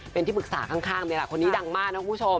เป็นที่ปรึกษาก่อนข้างใดล่ะคนนี้ดังมากแล้วคุณผู้ชม